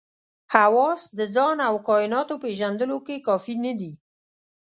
حواس د ځان او کایناتو پېژندلو کې کافي نه دي.